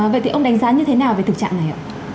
vậy thì ông đánh giá như thế nào về thực trạng này ạ